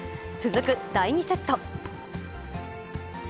続く第２セット。